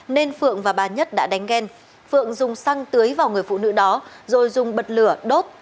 nên phượng và bà nhất đã đánh ghen phượng dùng xăng tưới vào người phụ nữ đó rồi dùng bật lửa đốt